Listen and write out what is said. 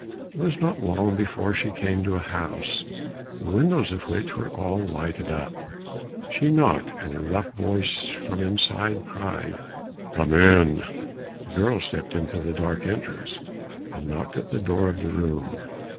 It was not long before she came to a house the windows of which were all lighted up. She knocked, and a rough voice from inside cried, "Come in." The girl stepped into the dark entrance, and knocked at the door of the room.